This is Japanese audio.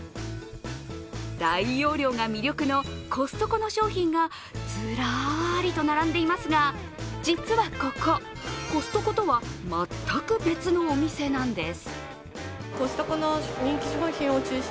大容量が魅力のコストコの商品がずらりと並んでいますが、実はここ、コストコとは全く別のお店なんです。